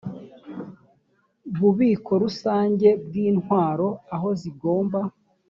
bubiko rusange bw intwaro aho zigomba